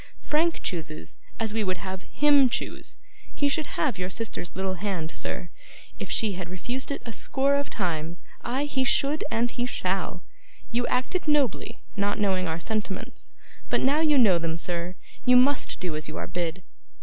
Frank chooses as we would have HIM choose. He should have your sister's little hand, sir, if she had refused it a score of times; ay, he should, and he shall! You acted nobly, not knowing our sentiments, but now you know them, sir, you must do as you are bid.